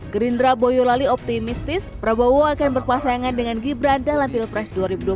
gerindra boyolali optimistis prabowo akan berpasangan dengan gibran dalam pilpres dua ribu dua puluh